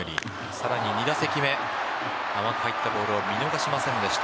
さらに２打席目甘く入ったボールを見逃しませんでした。